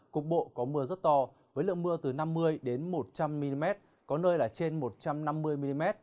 cục bộ có mưa rất to với lượng mưa từ năm mươi đến một trăm linh mm có nơi là trên một trăm năm mươi mm